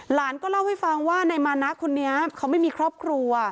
หลานก็เล่าให้ฟังว่านายมานะคนนี้เขาไม่มีครอบครัว